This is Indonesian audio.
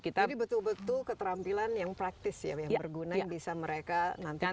jadi betul betul keterampilan yang praktis ya yang berguna yang bisa mereka nanti terapkan